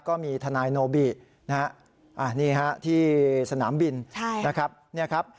ก็มีทนายโนบินะฮะอันนี้ฮะที่สนามบินนะครับ